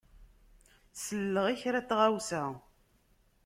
Selleɣ i kra n tɣawsa.